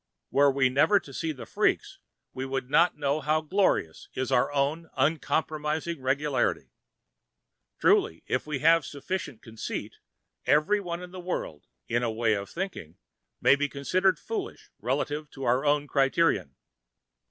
Were we never to see the freaks, we would not know how glorious is our own uncompromising regularity. Truly, if we have sufficient conceit, every one in the world, in a way of thinking, may be considered foolish relatively to our own criterion.